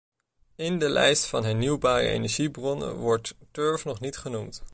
In de lijst van hernieuwbare energiebronnen wordt turf nog niet genoemd.